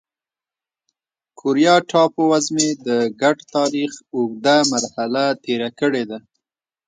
کوریا ټاپو وزمې د ګډ تاریخ اوږده مرحله تېره کړې ده.